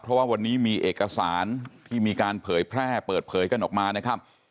เพราะว่าวันนี้มีเอกสารที่มีการเผยแพร่เปิดเผยกันออกมานะครับ